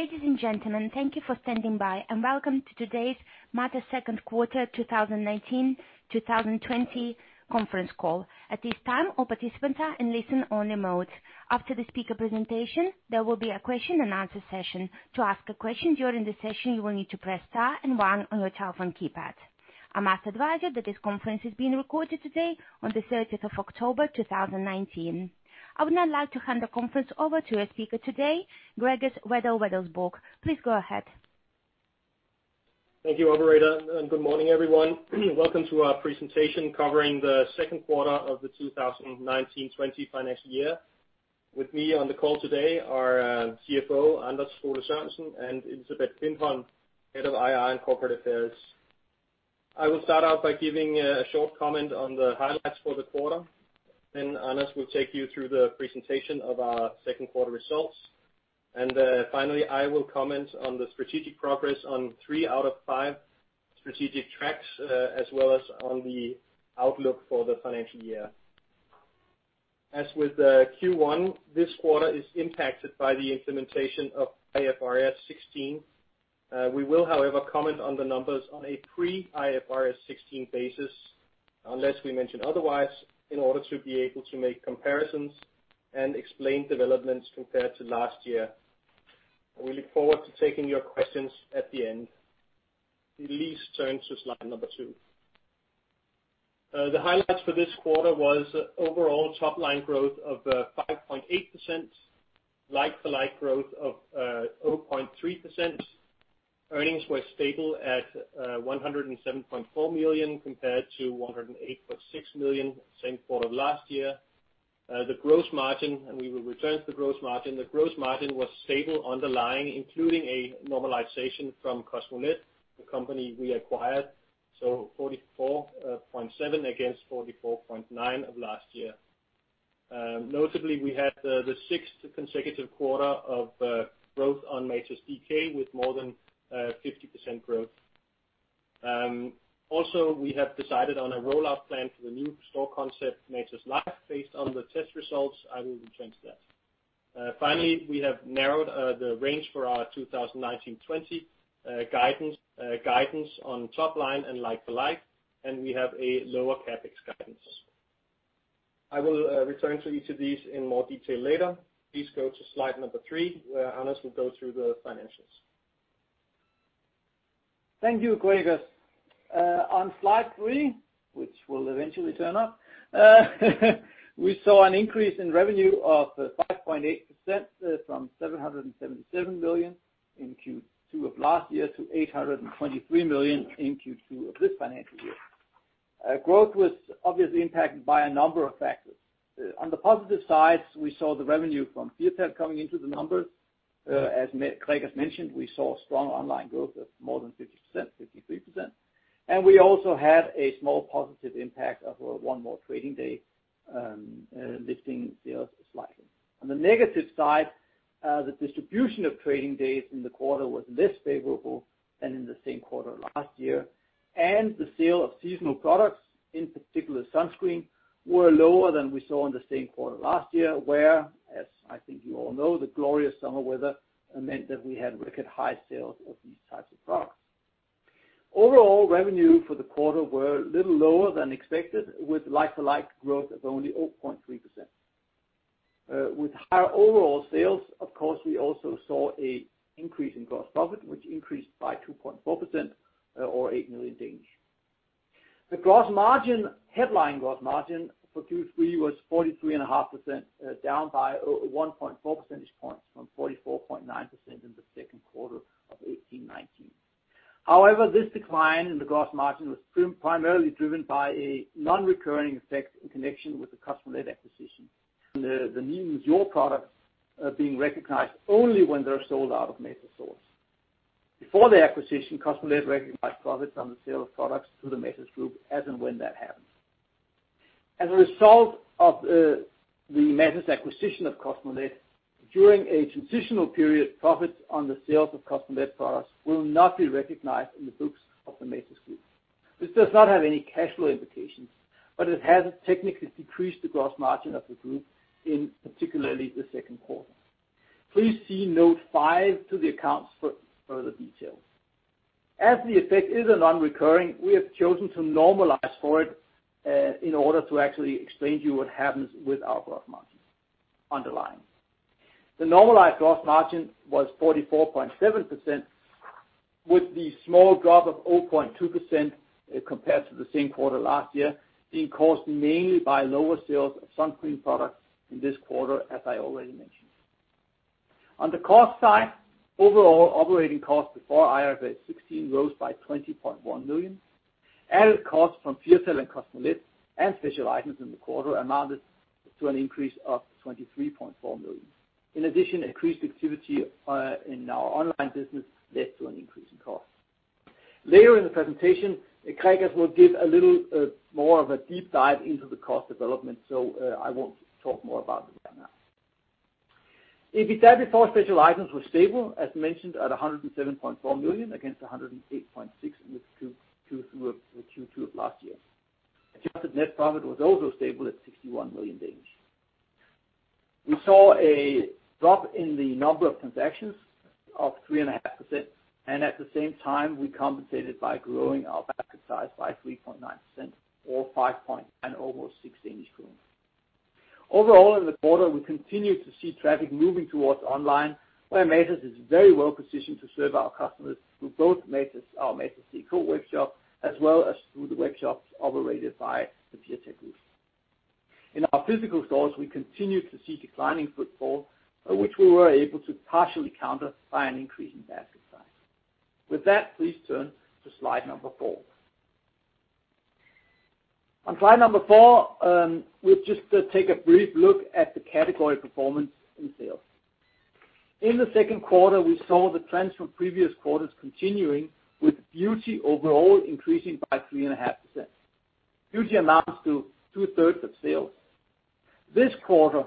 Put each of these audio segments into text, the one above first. Ladies and gentlemen, thank you for standing by, and welcome to today's Matas second quarter 2019/2020 conference call. At this time, all participants are in listen-only mode. After the speaker presentation, there will be a question and answer session. To ask a question during the session, you will need to press star and one on your telephone keypad. I must advise you that this conference is being recorded today on the 30th of October 2019. I would now like to hand the conference over to our speaker today, Gregers Wedell-Wedellsborg. Please go ahead. Thank you, operator. Good morning, everyone. Welcome to our presentation covering the second quarter of the 2019/20 financial year. With me on the call today are CFO, Anders Skole-Sørensen, and Elisabeth von Bason, Head of IR and Corporate Affairs. I will start out by giving a short comment on the highlights for the quarter. Anders will take you through the presentation of our second quarter results. Finally, I will comment on the strategic progress on three out of five strategic tracks, as well as on the outlook for the financial year. As with Q1, this quarter is impacted by the implementation of IFRS 16. We will, however, comment on the numbers on a pre-IFRS 16 basis, unless we mention otherwise, in order to be able to make comparisons and explain developments compared to last year. We look forward to taking your questions at the end. Please turn to slide number two. The highlights for this quarter was overall top line growth of 5.8%, like-to-like growth of 0.3%. Earnings were stable at 107.4 million compared to 108.6 million same quarter last year. The gross margin, we will return to the gross margin, the gross margin was stable underlying, including a normalization from Kosmolet, the company we acquired, so 44.7% against 44.9% of last year. Notably, we had the sixth consecutive quarter of growth on matas.dk with more than 50% growth. We have decided on a rollout plan for the new store concept, Matas Life, based on the test results. I will return to that. We have narrowed the range for our 2019/2020 guidance on top line and like-to-like, and we have a lower CapEx guidance. I will return to each of these in more detail later. Please go to slide number three, where Anders will go through the financials. Thank you, Gregers. On slide three, which will eventually turn up, we saw an increase in revenue of 5.8% from 777 million in Q2 of last year to 823 million in Q2 of this financial year. Growth was obviously impacted by a number of factors. On the positive side, we saw the revenue from Firtal coming into the numbers. As Gregers mentioned, we saw strong online growth of more than 50%, 53%. We also had a small positive impact of one more trading day lifting sales slightly. On the negative side, the distribution of trading days in the quarter was less favorable than in the same quarter last year, and the sale of seasonal products, in particular sunscreen, were lower than we saw in the same quarter last year, where, as I think you all know, the glorious summer weather meant that we had record high sales of these types of products. Overall, revenue for the quarter were a little lower than expected, with like-for-like growth of only 0.3%. With higher overall sales, of course, we also saw an increase in gross profit, which increased by 2.4%, or 8 million. The headline gross margin for Q3 was 43.5%, down by 1.4 percentage points from 44.9% in the second quarter of 2018, 2019. However, this decline in the gross margin was primarily driven by a non-recurring effect in connection with the Kosmolet acquisition. The means your products are being recognized only when they're sold out of Matas stores. Before the acquisition, Kosmolet recognized profits on the sale of products to the Matas Group as and when that happened. As a result of the Matas acquisition of Kosmolet, during a transitional period, profits on the sales of customer products will not be recognized in the books of the Matas Group. This does not have any cash flow implications, but it has technically decreased the gross margin of the Group in particularly the second quarter. Please see note five to the accounts for further details. As the effect is a non-recurring, we have chosen to normalize for it in order to actually explain to you what happens with our gross margin underlying. The normalized growth margin was 44.7% with the small drop of 0.2% compared to the same quarter last year being caused mainly by lower sales of sunscreen products in this quarter, as I already mentioned. On the cost side, overall operating costs before IFRS 16 rose by 20.1 million. Added costs from Firtal and Kosmolet and special items in the quarter amounted to an increase of 23.4 million. In addition, increased activity in our online business led to an increase in costs. Later in the presentation, Gregers will give a little more of a deep dive into the cost development. I won't talk more about it right now. EBITDA before special items was stable, as mentioned, at 107.4 million against 108.6 in the Q2 of last year. Adjusted net profit was also stable at 61 million. We saw a drop in the number of transactions of 3.5%. At the same time, we compensated by growing our basket size by 3.9% or five point and almost 600. Overall, in the quarter, we continued to see traffic moving towards online, where Matas is very well positioned to serve our customers through both our matas.dk webshop, as well as through the webshops operated by the Firtal Group. In our physical stores, we continued to see declining footfall, which we were able to partially counter by an increase in basket size. With that, please turn to slide number four. On slide number four, we'll just take a brief look at the category performance in sales. In the second quarter, we saw the trends from previous quarters continuing, with beauty overall increasing by 3.5%. Beauty amounts to two-thirds of sales. This quarter,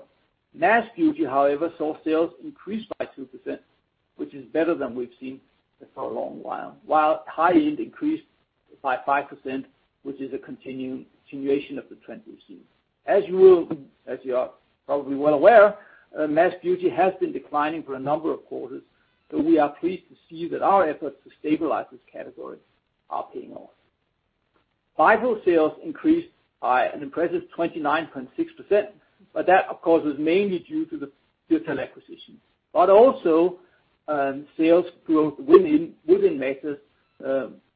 Mass Beauty, however, saw sales increase by 2%, which is better than we've seen for a long while. While high end increased by 5%, which is a continuation of the trend we've seen. As you are probably well aware, Mass Beauty has been declining for a number of quarters, but we are pleased to see that our efforts to stabilize this category are paying off. Firtal sales increased by an impressive 29.6%, that, of course, was mainly due to the retail acquisition. Also, sales growth within Matas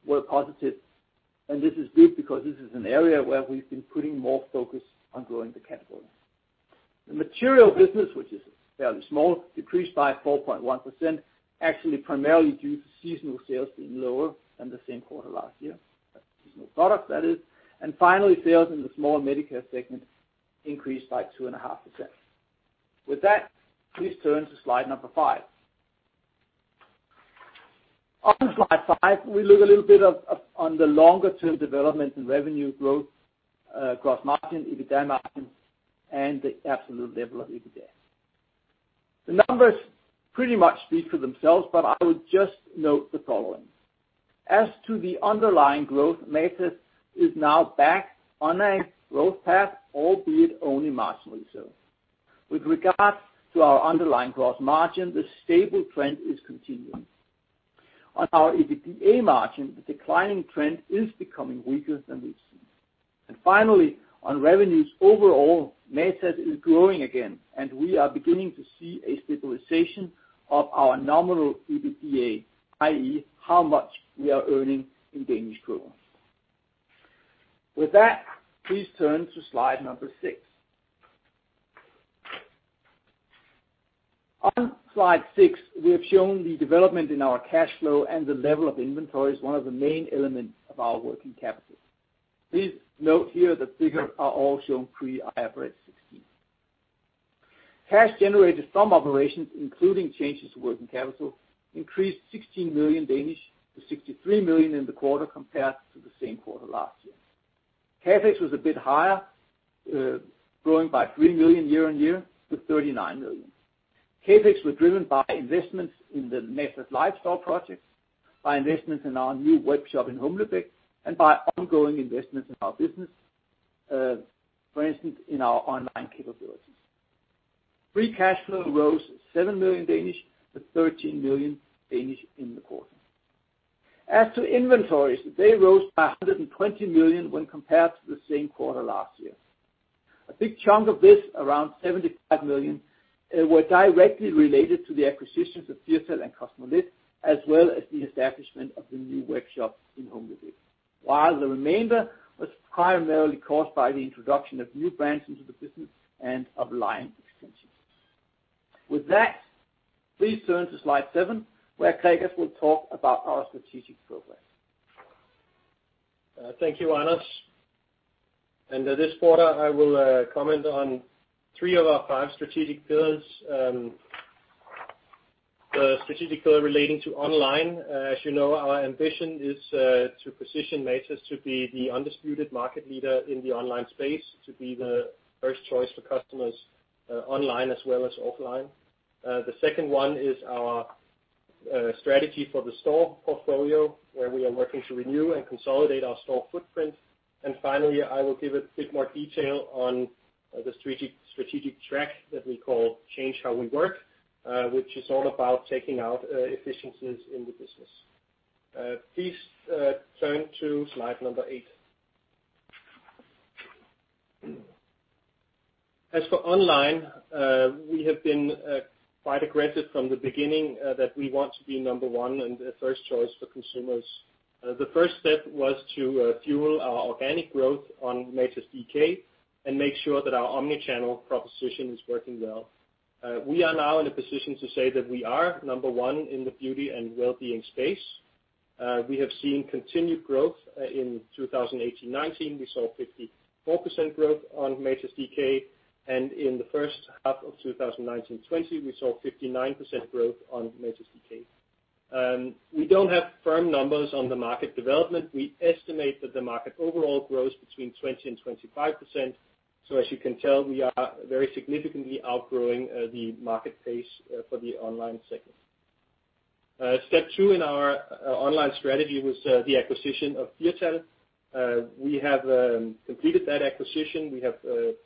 were positive, and this is good because this is an area where we've been putting more focus on growing the category. The Matas MediCare business, which is fairly small, decreased by 4.1%, actually primarily due to seasonal sales being lower than the same quarter last year. That's seasonal product, that is. Finally, sales in the small MediCare segment increased by 2.5%. With that, please turn to slide number five. On slide five, we look a little bit on the longer-term development in revenue growth, gross margin, EBITDA margin, and the absolute level of EBITDA. The numbers pretty much speak for themselves, but I would just note the following. As to the underlying growth, Matas is now back on a growth path, albeit only marginally so. With regards to our underlying growth margin, the stable trend is continuing. Our EBITDA margin, the declining trend is becoming weaker than we've seen. Finally, on revenues overall, Matas is growing again, and we are beginning to see a stabilization of our nominal EBITDA, i.e., how much we are earning in Danish krone. With that, please turn to slide number six. On slide six, we have shown the development in our cash flow and the level of inventories, one of the main elements of our working capital. Please note here the figures are all shown pre-IFRS 16. Cash generated from operations, including changes to working capital, increased 16 million to 63 million in the quarter compared to the same quarter last year. CapEx was a bit higher, growing by 3 million year-on-year to 39 million. CapEx was driven by investments in the Matas lifestyle projects, by investments in our new webshop in Humlebæk, and by ongoing investments in our business, for instance, in our online capabilities. Free cash flow rose 7 million to 13 million in the quarter. As to inventories, they rose by 120 million when compared to the same quarter last year. A big chunk of this, around 75 million, were directly related to the acquisitions of Firtal and Kosmolet, as well as the establishment of the new workshop in Humlebæk, while the remainder was primarily caused by the introduction of new brands into the business and of line extensions. With that, please turn to slide seven, where Gregers will talk about our strategic program. Thank you, Anders. This quarter, I will comment on three of our five strategic pillars. The strategic pillar relating to online. As you know, our ambition is to position Matas to be the undisputed market leader in the online space, to be the first choice for customers online as well as offline. The second one is our strategy for the store portfolio, where we are working to renew and consolidate our store footprint. Finally, I will give a bit more detail on the strategic track that we call Change How We Work which is all about taking out efficiencies in the business. Please turn to slide number eight. As for online, we have been quite aggressive from the beginning that we want to be number one and the first choice for consumers. The first step was to fuel our organic growth on matas.dk and make sure that our omni-channel proposition is working well. We are now in a position to say that we are number one in the beauty and wellbeing space. We have seen continued growth in 2018-2019. We saw 54% growth on matas.dk, and in the first half of 2019-2020, we saw 59% growth on matas.dk. We don't have firm numbers on the market development. We estimate that the market overall grows between 20%-25%. As you can tell, we are very significantly outgrowing the market pace for the online segment. Step two in our online strategy was the acquisition of Firtal. We have completed that acquisition. We have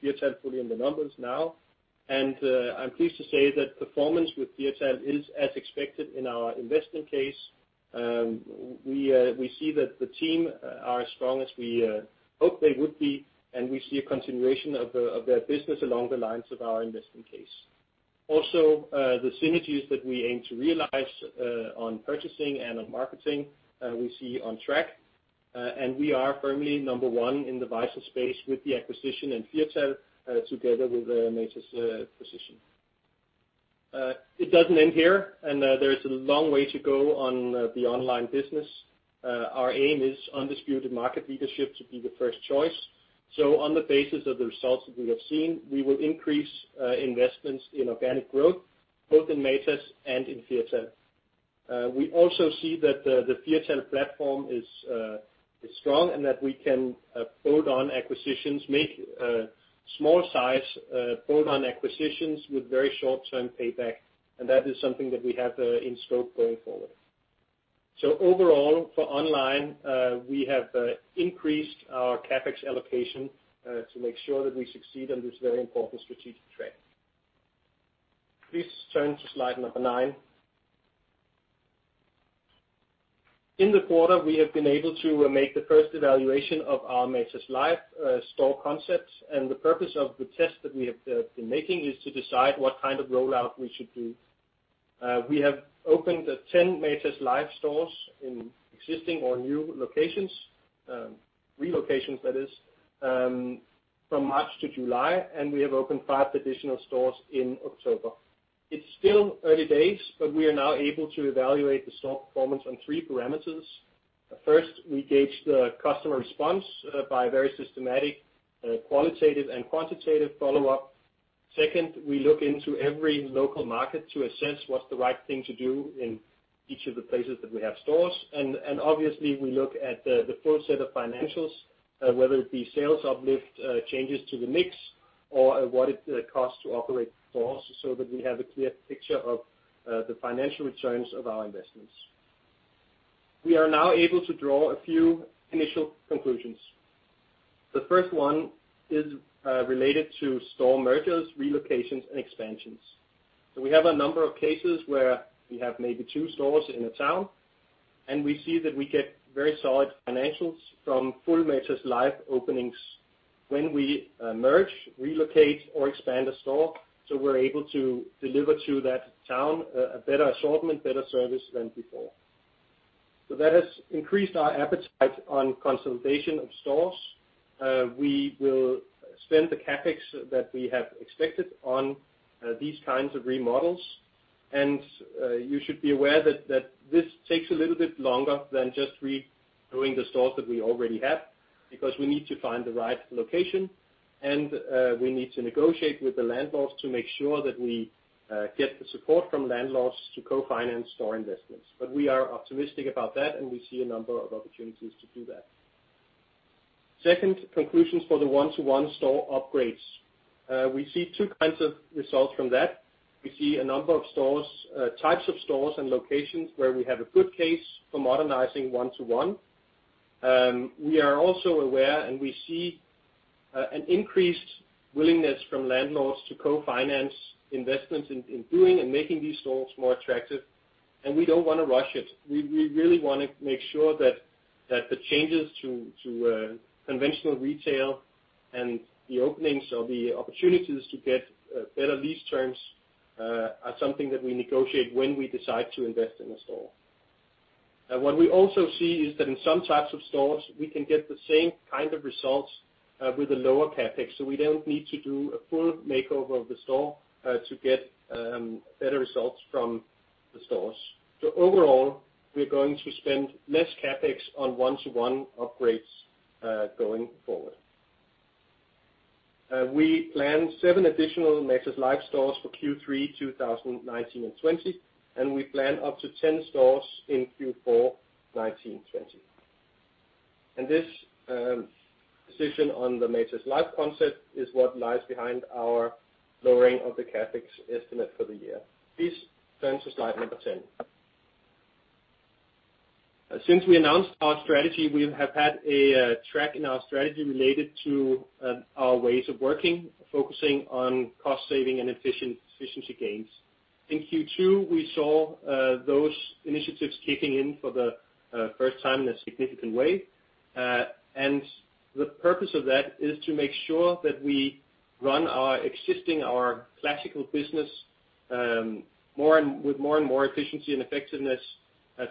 Firtal fully in the numbers now, and I'm pleased to say that performance with Firtal is as expected in our investment case. We see that the team are as strong as we hoped they would be, and we see a continuation of their business along the lines of our investment case. Also, the synergies that we aim to realize on purchasing and on marketing, we see on track, and we are firmly number one in the Mass Beauty space with the acquisition in Firtal together with Matas' position. It doesn't end here, and there is a long way to go on the online business. Our aim is undisputed market leadership to be the first choice. On the basis of the results that we have seen, we will increase investments in organic growth, both in Matas and in Firtal. We also see that the Firtal platform is strong and that we can bolt-on acquisitions, make small size bolt-on acquisitions with very short-term payback, and that is something that we have in scope going forward. Overall, for online, we have increased our CapEx allocation to make sure that we succeed on this very important strategic track. Please turn to slide number nine. In the quarter, we have been able to make the first evaluation of our Matas Life store concepts, and the purpose of the test that we have been making is to decide what kind of rollout we should do. We have opened 10 Matas Life stores in existing or new locations, relocations that is, from March to July, and we have opened five additional stores in October. It's still early days, but we are now able to evaluate the store performance on three parameters. First, we gauge the customer response by very systematic, qualitative, and quantitative follow-up. Second, we look into every local market to assess what's the right thing to do in each of the places that we have stores. Obviously, we look at the full set of financials, whether it be sales uplift, changes to the mix or what it costs to operate the stores so that we have a clear picture of the financial returns of our investments. We are now able to draw a few initial conclusions. The first one is related to store mergers, relocations, and expansions. We have a number of cases where we have maybe two stores in a town, and we see that we get very solid financials from full Matas Life openings when we merge, relocate, or expand a store, so we're able to deliver to that town a better assortment, better service than before. That has increased our appetite on consolidation of stores. We will spend the CapEx that we have expected on these kinds of remodels, and you should be aware that this takes a little bit longer than just redoing the stores that we already have because we need to find the right location, and we need to negotiate with the landlords to make sure that we get the support from landlords to co-finance store investments. We are optimistic about that, and we see a number of opportunities to do that. Second conclusions for the one-to-one store upgrades. We see two kinds of results from that. We see a number of stores, types of stores, and locations where we have a good case for modernizing one-to-one. We are also aware, and we see an increased willingness from landlords to co-finance investments in doing and making these stores more attractive, and we don't want to rush it. We really want to make sure that the changes to conventional retail and the openings or the opportunities to get better lease terms are something that we negotiate when we decide to invest in a store. What we also see is that in some types of stores, we can get the same kind of results with a lower CapEx, so we don't need to do a full makeover of the store to get better results from the stores. Overall, we're going to spend less CapEx on one-to-one upgrades going forward. We plan seven additional Matas Life stores for Q3 2019 and 2020, and we plan up to 10 stores in Q4 1920. This decision on the Matas Life concept is what lies behind our lowering of the CapEx estimate for the year. Please turn to slide number 10. Since we announced our strategy, we have had a track in our strategy related to our Change how we work, focusing on cost saving and efficiency gains. In Q2, we saw those initiatives kicking in for the first time in a significant way. The purpose of that is to make sure that we run our existing, our classical business with more and more efficiency and effectiveness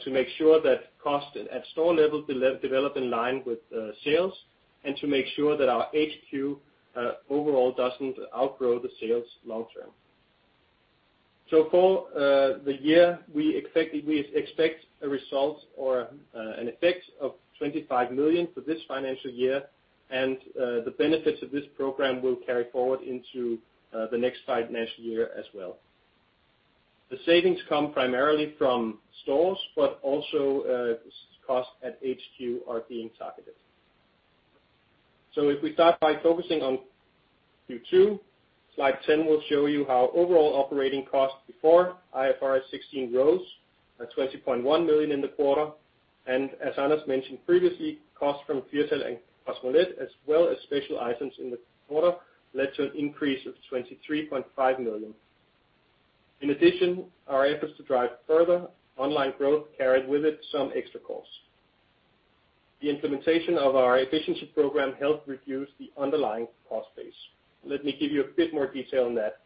to make sure that cost at store level develop in line with sales, and to make sure that our HQ overall doesn't outgrow the sales long term. For the year, we expect a result or an effect of 25 million for this financial year, and the benefits of this program will carry forward into the next financial year as well. The savings come primarily from stores, but also cost at HQ are being targeted. If we start by focusing on Q2, slide 10 will show you how overall operating costs before IFRS 16 rose at 20.1 million in the quarter, and as Anders mentioned previously, costs from Firtal and Kosmolet, as well as special items in the quarter, led to an increase of 23.5 million. In addition, our efforts to drive further online growth carried with it some extra costs. The implementation of our efficiency program helped reduce the underlying cost base. Let me give you a bit more detail on that.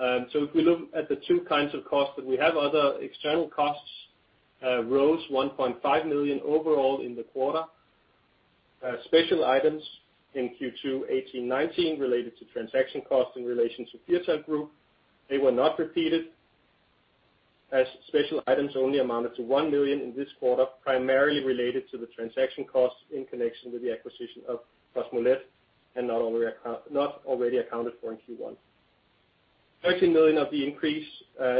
If we look at the two kinds of costs that we have, other external costs rose 1.5 million overall in the quarter. Special items in Q2 2018/2019 related to transaction costs in relation to Firtal Group, they were not repeated, as special items only amounted to 1 million in this quarter, primarily related to the transaction costs in connection with the acquisition of Kosmolet, and not already accounted for in Q1. 13 million of the increase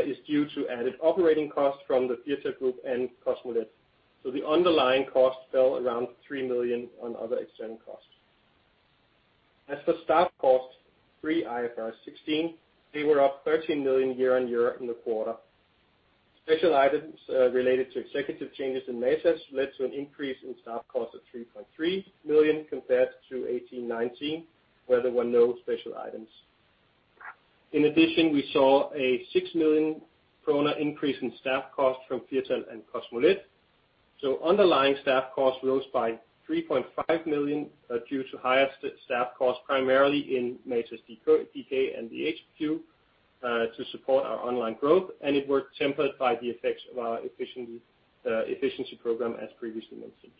is due to added operating costs from the Firtal Group and Kosmolet. The underlying cost fell around 3 million on other external costs. As for staff costs, pre IFRS 16, they were up 13 million DKK year on year in the quarter. Special items related to executive changes in Matas led to an increase in staff costs of 3.3 million DKK compared to 2018/2019, where there were no special items. In addition, we saw a 6 million krone increase in staff costs from Firtal and Kosmolet. Underlying staff costs rose by 3.5 million DKK due to higher staff costs, primarily in Matas DK and the HQ, to support our online growth, and it was tempered by the effects of our efficiency program, as previously mentioned.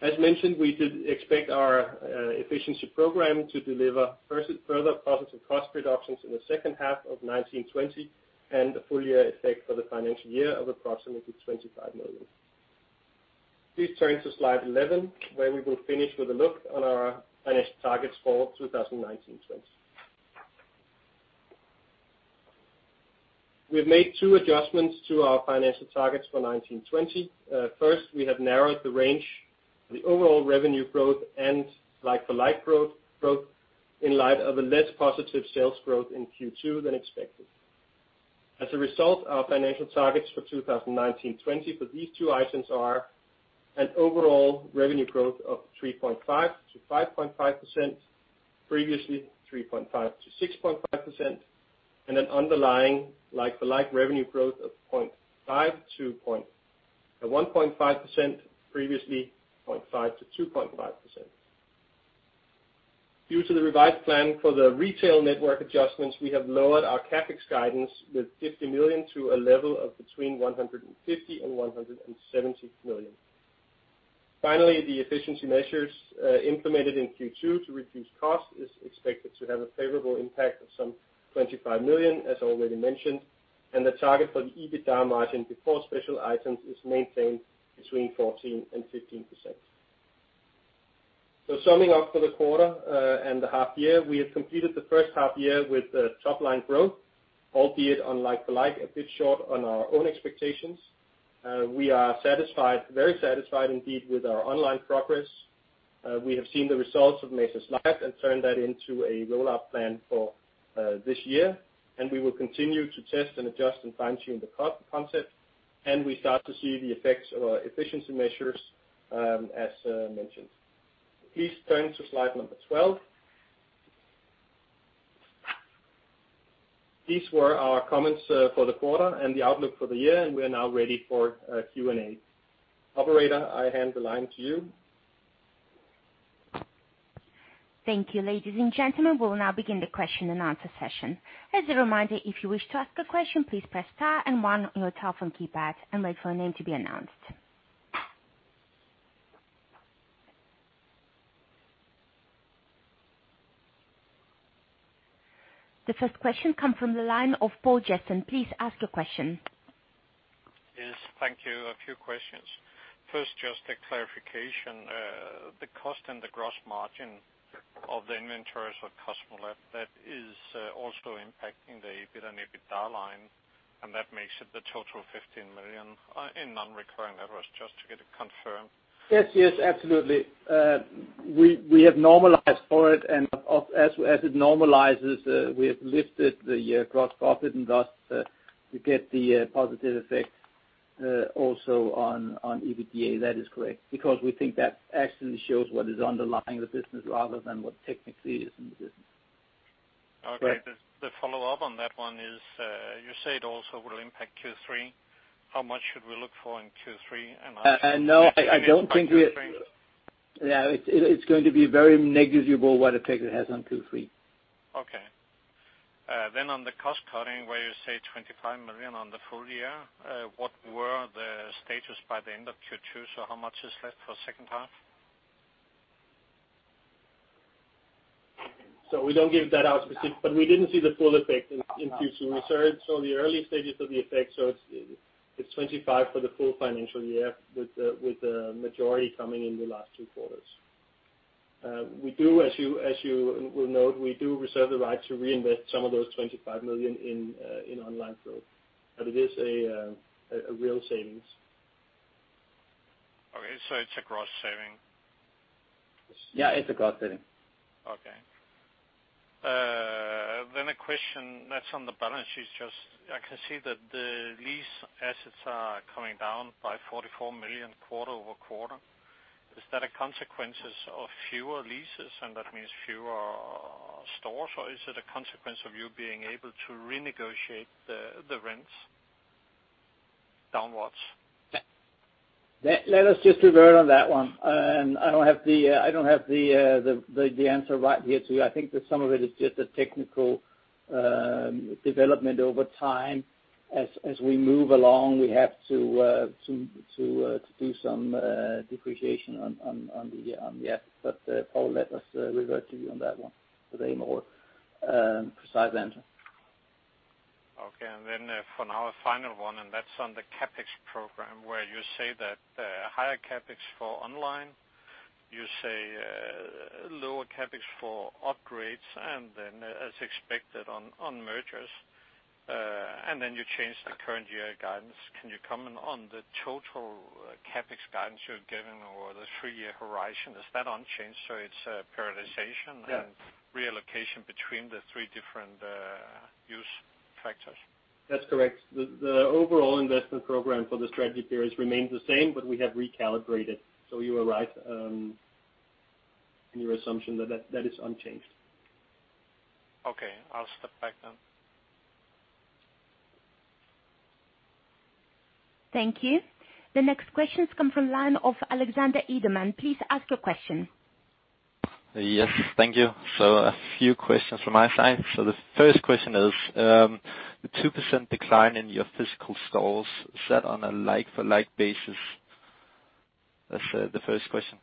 As mentioned, we did expect our efficiency program to deliver further positive cost reductions in the second half of 2019/2020, and a full year effect for the financial year of approximately 25 million DKK. Please turn to slide 11, where we will finish with a look on our financial targets for 2019/20. We have made two adjustments to our financial targets for 2019/20. First, we have narrowed the range for the overall revenue growth and like-for-like growth in light of a less positive sales growth in Q2 than expected. As a result, our financial targets for 2019/20 for these two items are an overall revenue growth of 3.5%-5.5%, previously 3.5%-6.5%, and an underlying like-for-like revenue growth of 0.5%-1.5%, previously 0.5%-2.5%. Due to the revised plan for the retail network adjustments, we have lowered our CapEx guidance with 50 million to a level of between 150 million and 170 million. Finally, the efficiency measures implemented in Q2 to reduce cost is expected to have a favorable impact of some 25 million, as already mentioned, and the target for the EBITDA margin before special items is maintained between 14% and 15%. Summing up for the quarter and the half year, we have completed the first half year with a top line growth, albeit on like-for-like a bit short on our own expectations. We are very satisfied indeed with our online progress. We have seen the results of Matas Life and turned that into a rollout plan for this year, and we will continue to test and adjust and fine-tune the concept, and we start to see the effects of our efficiency measures as mentioned. Please turn to slide number 12. These were our comments for the quarter and the outlook for the year, and we are now ready for Q&A. Operator, I hand the line to you. Thank you. Ladies and gentlemen, we'll now begin the question and answer session. As a reminder, if you wish to ask a question, please press star and one on your telephone keypad and wait for your name to be announced. The first question comes from the line of Poul Jessen. Please ask your question. Yes. Thank you. A few questions. First, just a clarification. The cost and the gross margin of the inventories of Kosmolet that is also impacting the EBITDA line, and that makes it the total of 15 million in non-recurring numbers. Just to get it confirmed. Yes, absolutely. We have normalized for it, and as it normalizes, we have lifted the gross profit and thus you get the positive effect also on EBITDA. That is correct. We think that actually shows what is underlying the business rather than what technically is in the business. Okay. Right. The follow-up on that one is, you say it also will impact Q3. How much should we look for in Q3 and onwards? No, I don't think it's going to be very negligible what effect it has on Q3. Okay. On the cost cutting, where you say 25 million on the full year, what were the status by the end of Q2? How much is left for second half? We don't give that out specific, but we didn't see the full effect in Q2. The early stages of the effect, so it's 25 for the full financial year with the majority coming in the last two quarters. As you will note, we do reserve the right to reinvest some of those 25 million in online growth. It is a real savings. Okay, it's a gross saving? Yeah, it's a gross saving. A question that's on the balance sheet is just, I can see that the lease assets are coming down by 44 million quarter-over-quarter. Is that a consequences of fewer leases and that means fewer stores, or is it a consequence of you being able to renegotiate the rents downwards? Let us just revert on that one. I don't have the answer right here to you. I think that some of it is just a technical development over time. As we move along, we have to do some depreciation on the app. Poul, let us revert to you on that one with a more precise answer. Okay. For now a final one, and that's on the CapEx program, where you say that higher CapEx for online, you say lower CapEx for upgrades, and then as expected on mergers. You change the current year guidance. Can you comment on the total CapEx guidance you're giving over the three-year horizon? Is that unchanged, so it's prioritization- Yeah reallocation between the three different use factors? That's correct. The overall investment program for the strategy period remains the same. We have recalibrated. You are right in your assumption that that is unchanged. Okay. I'll step back then. Thank you. The next questions come from line of Alexander Edelman. Please ask your question. Yes. Thank you. A few questions from my side. The first question is, the 2% decline in your physical stores set on a like-for-like basis? That's the first question.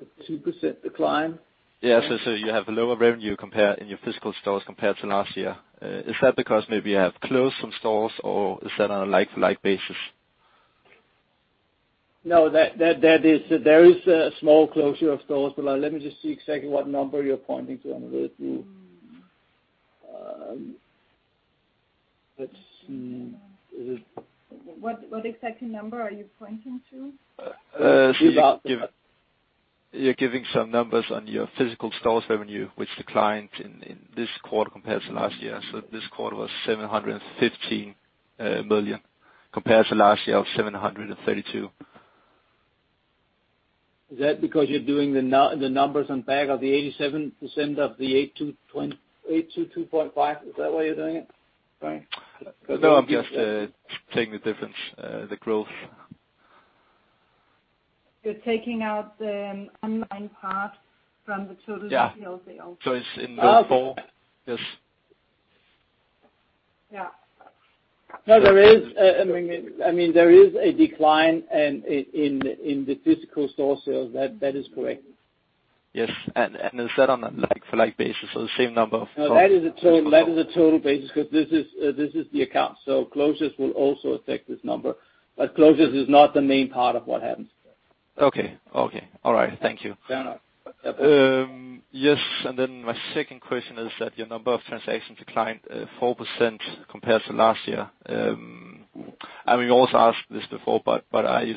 A 2% decline? Yeah. You have lower revenue in your physical stores compared to last year. Is that because maybe you have closed some stores, or is that on a like-for-like basis? No, there is a small closure of stores. Let me just see exactly what number you're pointing to, Alexander. Let's see. Is it? What exactly number are you pointing to? You're giving some numbers on your physical stores revenue, which declined in this quarter compared to last year. This quarter was 715 million, compared to last year of 732. Is that because you're doing the numbers on back of the 87% of the 822.5? Is that why you're doing it, Frank? I'm just taking the difference. The growth. You're taking out the online part from the total retail sales. Yeah. It's in Q4. Yes. Yeah. No, there is a decline in the physical store sales. That is correct. Yes. Is that on a like-for-like basis or the same number? No, that is a total basis because this is the account. Closures will also affect this number, but closures is not the main part of what happens. Okay. All right. Thank you. Fair enough. Yes. My second question is that your number of transactions declined 4% compared to last year. We also asked this before, but are you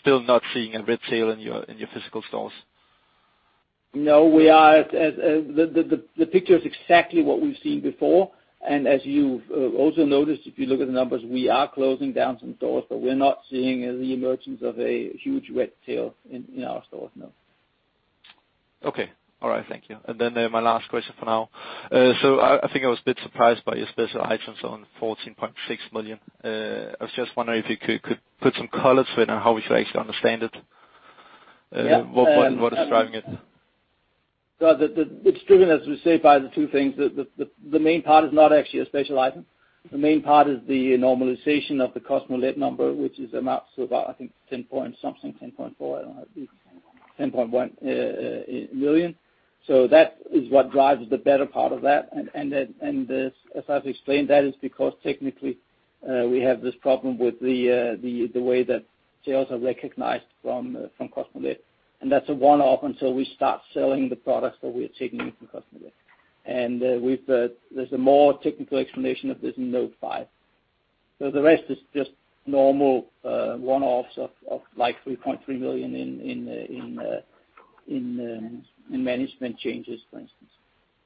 still not seeing a red flag in your physical stores? No. The picture is exactly what we've seen before, and as you've also noticed, if you look at the numbers, we are closing down some stores, but we're not seeing the emergence of a huge red tail in our stores, no. Okay. All right. Thank you. My last question for now. I think I was a bit surprised by your special items on 14.6 million. I was just wondering if you could put some color to it on how we should actually understand it. Yeah. What is driving it? It's driven, as we said, by the two things. The main part is not actually a special item. The main part is the normalization of the Kosmolet number, which amounts to about, I think, 10 point something, 10.4, I don't know, it could be 10.1 million. That is what drives the better part of that. As I've explained, that is because technically, we have this problem with the way that sales are recognized from Kosmolet. That's a one-off until we start selling the products that we are taking into Kosmolet. There's a more technical explanation of this in note five. The rest is just normal one-offs of like 3.3 million in management changes, for instance,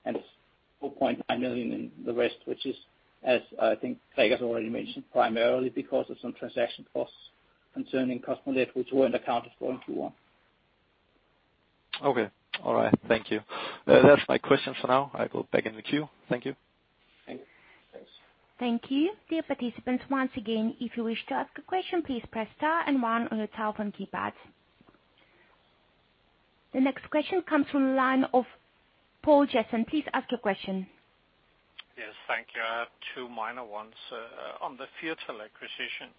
and 4.5 million in the rest, which is, as I think Gregers has already mentioned, primarily because of some transaction costs concerning Kosmolet, which were in the count of Q1. Okay. All right. Thank you. That's my questions for now. I go back in the queue. Thank you. Thank you. Thanks. Thank you. Dear participants, once again, if you wish to ask a question, please press star and one on your telephone keypad. The next question comes from line of Poul Jessen. Please ask your question. Yes. Thank you. I have two minor ones. On the future acquisition,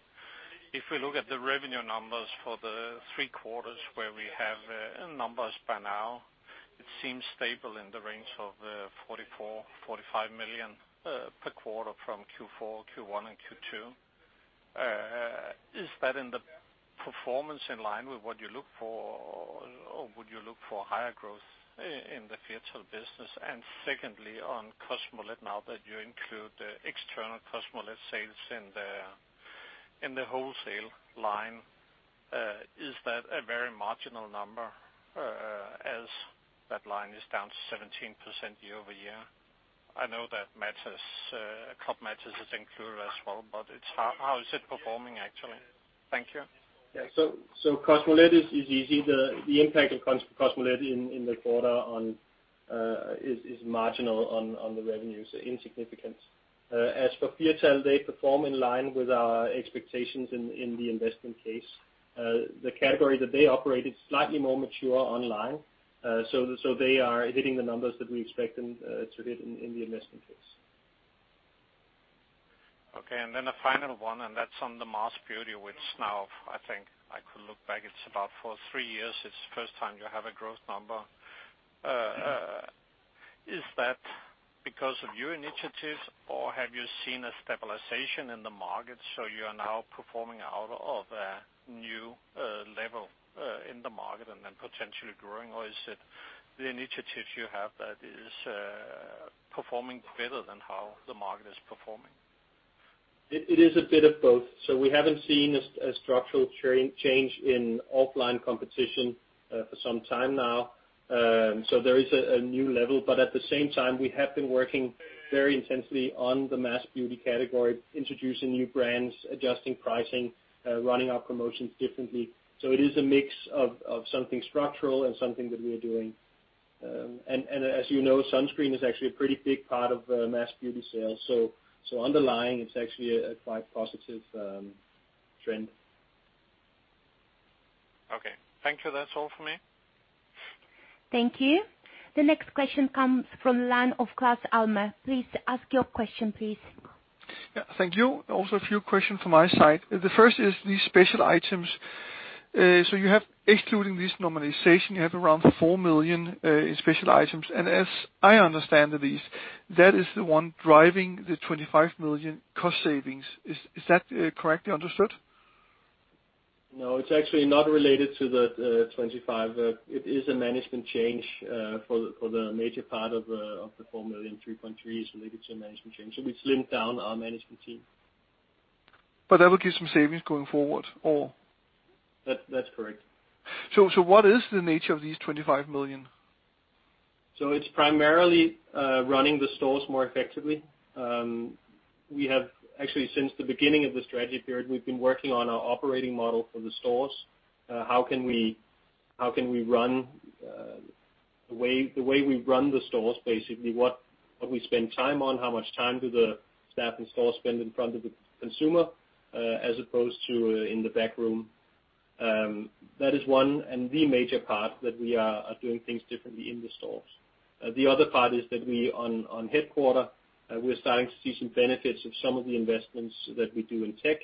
if we look at the revenue numbers for the three quarters where we have numbers by now, it seems stable in the range of 44 million-45 million per quarter from Q4, Q1, and Q2. Is that Performance in line with what you look for, or would you look for higher growth in the future business? Secondly, on Kosmolet, now that you include the external Kosmolet sales in the wholesale line, is that a very marginal number as that line is down to 17% year-over-year? I know that Club Matas is included as well, but how is it performing, actually? Thank you. Yeah. Kosmolet is easy. The impact of Kosmolet in the quarter is marginal on the revenues, insignificant. As for Firtal, they perform in line with our expectations in the investment case. The category that they operate is slightly more mature online. They are hitting the numbers that we expect them to hit in the investment case. A final one, and that's on the Mass Beauty, which now I think I could look back, it's about for three years, it's the first time you have a growth number. Is that because of your initiatives or have you seen a stabilization in the market, so you are now performing out of a new level in the market and then potentially growing? Is it the initiatives you have that is performing better than how the market is performing? It is a bit of both. We haven't seen a structural change in offline competition for some time now. There is a new level, but at the same time, we have been working very intensely on the Mass Beauty category, introducing new brands, adjusting pricing, running our promotions differently. It is a mix of something structural and something that we are doing. As you know, sunscreen is actually a pretty big part of Mass Beauty sales. Underlying, it's actually a quite positive trend. Okay. Thank you. That's all for me. Thank you. The next question comes from the line of Klaus Alma. Please ask your question, please. Yeah, thank you. Also a few questions from my side. The first is these special items. Excluding this normalization, you have around 4 million in special items. As I understand these, that is the one driving the 25 million cost savings. Is that correctly understood? It's actually not related to the 25. It is a management change for the major part of the 4 million, 3.3 million is related to a management change. We slimmed down our management team. That will give some savings going forward, or? That's correct. What is the nature of these 25 million? It's primarily running the stores more effectively. Actually since the beginning of the strategy period, we've been working on our operating model for the stores. The way we run the stores, basically, what we spend time on, how much time do the staff in store spend in front of the consumer as opposed to in the back room. That is one and the major part that we are doing things differently in the stores. The other part is that we on headquarters, we're starting to see some benefits of some of the investments that we do in tech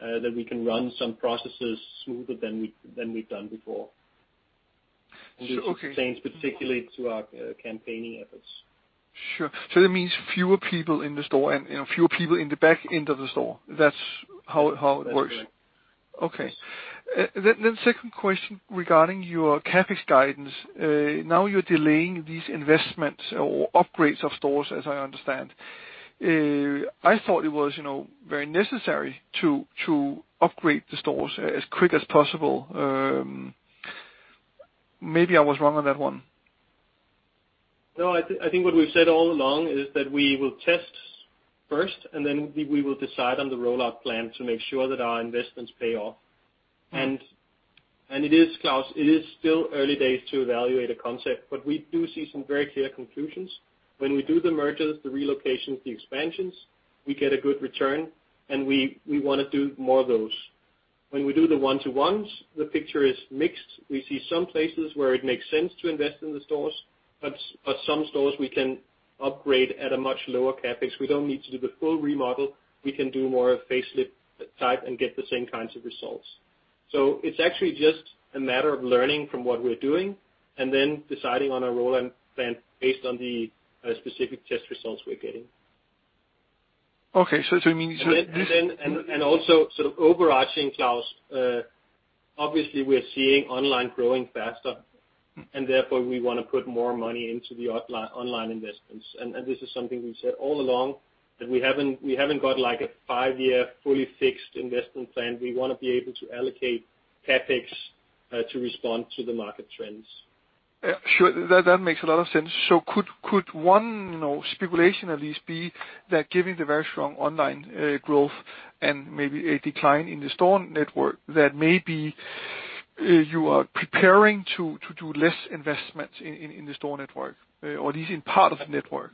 that we can run some processes smoother than we've done before. Okay. This pertains particularly to our campaigning efforts. Sure. That means fewer people in the store and fewer people in the back end of the store. That's how it works. That's correct. Okay. Second question regarding your CapEx guidance. Now you're delaying these investments or upgrades of stores, as I understand. I thought it was very necessary to upgrade the stores as quick as possible. Maybe I was wrong on that one. No, I think what we've said all along is that we will test first, and then we will decide on the rollout plan to make sure that our investments pay off. Klaus, it is still early days to evaluate a concept, but we do see some very clear conclusions. When we do the mergers, the relocations, the expansions, we get a good return, and we want to do more of those. When we do the one-to-ones, the picture is mixed. We see some places where it makes sense to invest in the stores, but some stores we can upgrade at a much lower CapEx. We don't need to do the full remodel. We can do more of facelift type and get the same kinds of results. It's actually just a matter of learning from what we're doing and then deciding on a roll-out plan based on the specific test results we're getting. Okay. It means that. Also overarching, Klaus, obviously we're seeing online growing faster. Therefore, we want to put more money into the online investments. This is something we've said all along, that we haven't got like a five-year fully fixed investment plan. We want to be able to allocate CapEx to respond to the market trends. Sure. That makes a lot of sense. Could one speculation at least be that given the very strong online growth and maybe a decline in the store network, that maybe you are preparing to do less investments in the store network, or at least in part of the network?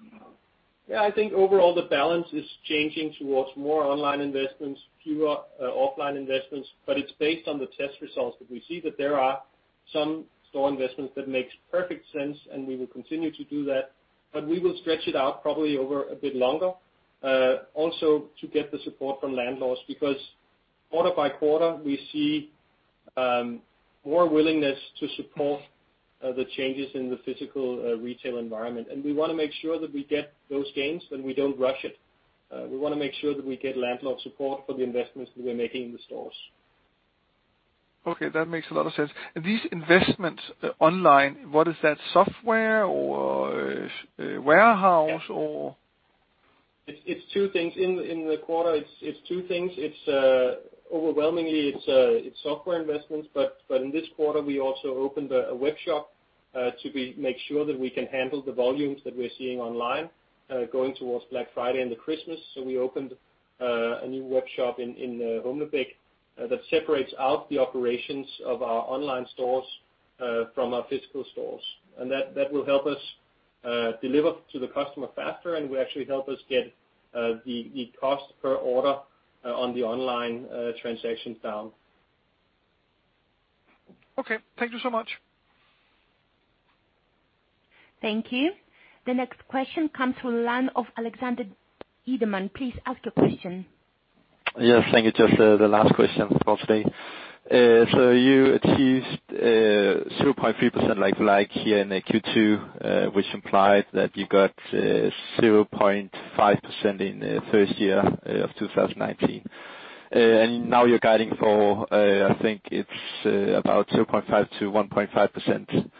Yeah, I think overall the balance is changing towards more online investments, fewer offline investments, but it's based on the test results that we see that there are some store investments that makes perfect sense, and we will continue to do that. We will stretch it out probably over a bit longer, also to get the support from landlords, because quarter by quarter we see more willingness to support the changes in the physical retail environment. We want to make sure that we get those gains and we don't rush it. We want to make sure that we get landlord support for the investments that we're making in the stores. That makes a lot of sense. These investments online, what is that? software or warehouse or? It's two things. In the quarter, it's two things. Overwhelmingly, it's software investments, but in this quarter, we also opened a webshop to make sure that we can handle the volumes that we're seeing online, going towards Black Friday and the Christmas. We opened a new webshop in Humlebæk that separates out the operations of our online stores from our physical stores. That will help us deliver to the customer faster, and will actually help us get the cost per order on the online transactions down. Okay. Thank you so much. Thank you. The next question comes from the line of Alexander Edelman. Please ask your question. Yes, thank you. You achieved 0.3% like-for-like here in Q2, which implied that you got 0.5% in the first half of 2019. Now you're guiding for, I think it's about 0.5%-1.5%.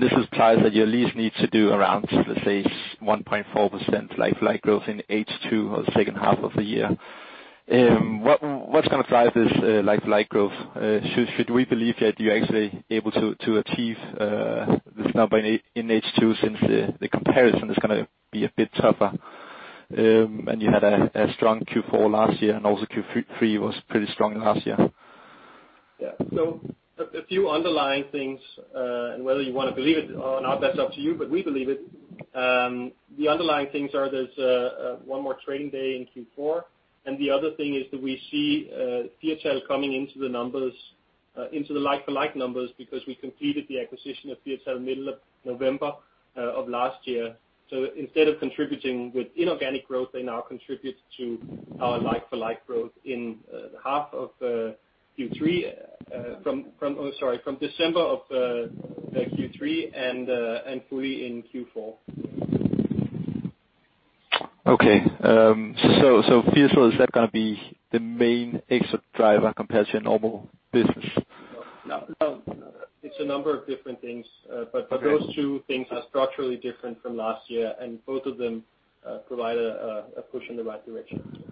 This implies that you at least need to do around, let's say, 1.4% like-for-like growth in H2 or the second half of the year. What's going to drive this like-for-like growth? Should we believe that you're actually able to achieve this number in H2 since the comparison is going to be a bit tougher? You had a strong Q4 last year, and also Q3 was pretty strong last year. Yeah. A few underlying things, and whether you want to believe it or not, that's up to you, but we believe it. The underlying things are there's one more trading day in Q4, and the other thing is that we see THL coming into the like-for-like numbers because we completed the acquisition of THL middle of November of last year. Instead of contributing with inorganic growth, they now contribute to our like-for-like growth from December of the Q3 and fully in Q4. Okay. First off, is that going to be the main extra driver compared to your normal business? No. It's a number of different things. Okay. Those two things are structurally different from last year, and both of them provide a push in the right direction.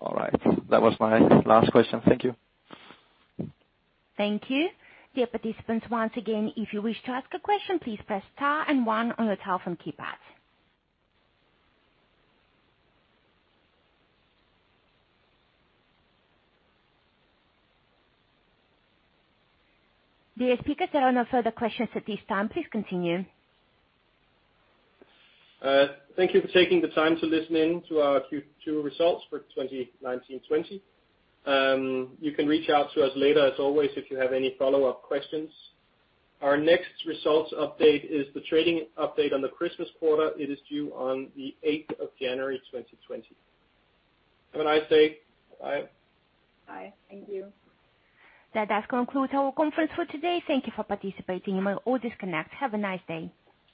All right. That was my last question. Thank you. Thank you. Dear participants, once again, if you wish to ask a question, please press star and one on your telephone keypad. Dear speakers, there are no further questions at this time. Please continue. Thank you for taking the time to listen in to our Q2 results for 2019/20. You can reach out to us later, as always, if you have any follow-up questions. Our next results update is the trading update on the Christmas quarter. It is due on the 8th of January 2020. Have a nice day. Bye. Bye. Thank you. That does conclude our conference for today. Thank you for participating. You may all disconnect. Have a nice day.